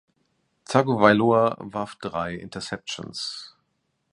Tagovailoa warf drei Interceptions.